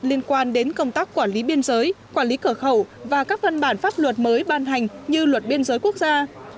liên quan đến công tác quản lý biên giới quản lý cửa khẩu và các văn bản pháp luật mới ban hành như luật biên giới quốc gia